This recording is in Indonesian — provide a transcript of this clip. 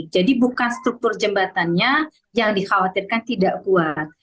jadi bukan struktur jembatannya yang dikhawatirkan tidak kuat